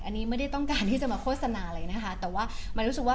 อันนี้ไม่ได้ต้องการที่จะมาโฆษณาอะไรนะคะ